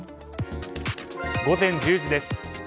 午前１０時です。